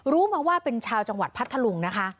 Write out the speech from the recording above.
รู้มาว่าเป็นชาวจังหวัดพัทธลุงนะคะ